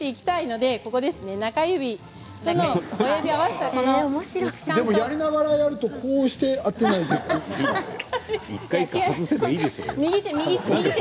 でもやりながらやるとこうして合わせて。